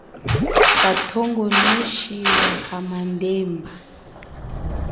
Kathongonoshi wa hamandemba.